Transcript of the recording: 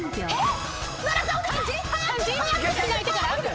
えっ⁉